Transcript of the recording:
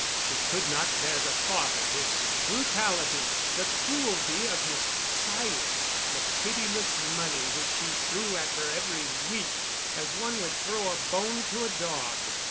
She could not bear the thought of his brutality, the cruelty of his silence, the pitiless money which he threw at her every week as one would throw a bone to a dog.